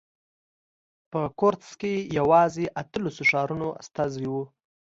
په کورتس کې یوازې اتلسو ښارونو استازي وو.